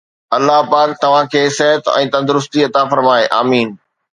الله پاڪ توهان کي صحت ۽ تندرستي عطا فرمائي، آمين